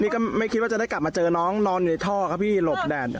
ก็ไม่คิดว่าจะได้กลับมาเจอน้องนอนอยู่ในท่อครับพี่หลบแดด